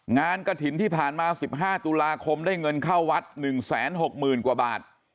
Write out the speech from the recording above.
กระถิ่นที่ผ่านมา๑๕ตุลาคมได้เงินเข้าวัด๑๖๐๐๐กว่าบาท